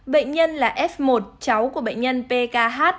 bệnh nhân là f một cháu của bệnh nhân pkh